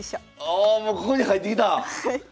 おもうここに入ってきた！